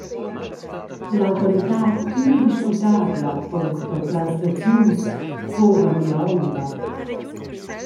L’autoritad indiscutabla puncto translaziuns fuva mia onda.